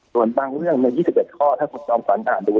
ส่วนบางเรื่องใน๒๑ข้อถ้าคุณจอมฝันอ่านดู